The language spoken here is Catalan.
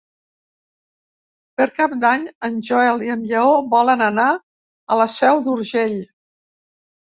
Per Cap d'Any en Joel i en Lleó volen anar a la Seu d'Urgell.